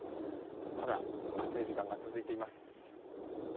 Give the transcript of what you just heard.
まだ暑い時間が続いています。